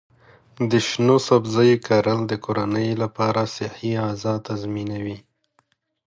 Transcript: د شنو سبزیو کرل د کورنۍ لپاره صحي غذا تضمینوي.